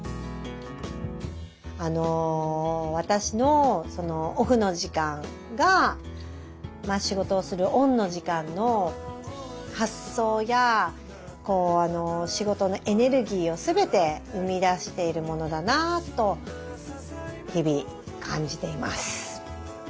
あの私のオフの時間が仕事をするオンの時間の発想やこう仕事のエネルギーを全て生み出しているものだなと日々感じています。